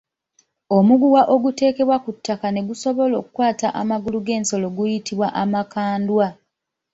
Omuguwa ogutegebwa ku ttaka ne gusobola okukwata amagulu g’ensolo guyitibwa Amakandwa.